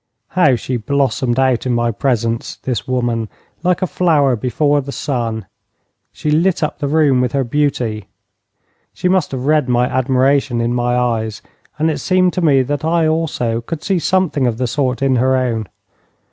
How she blossomed out in my presence, this woman, like a flower before the sun! She lit up the room with her beauty. She must have read my admiration in my eyes, and it seemed to me that I also could see something of the sort in her own.